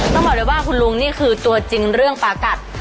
ต้องบอกเลยว่าคุณลุงนี่คือตัวจริงเรื่องปากัด